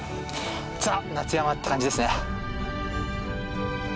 ザ・夏山って感じですね。